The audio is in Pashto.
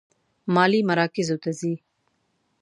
مالي مراکزو ته ځي.